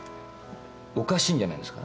おかしいんじゃないですか。